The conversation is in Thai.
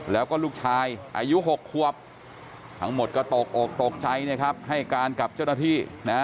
แล้วก็ลูกชายอายุ๖ควบทั้งหมดก็ตกอกตกใจนะครับให้การกับเจ้าหน้าที่นะ